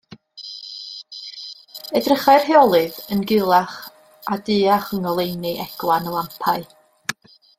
Edrychai'r heolydd yn gulach a duach yng ngoleuni egwan y lampau.